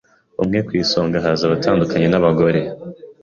umwe ku isonga haza abatandukanye n’abagore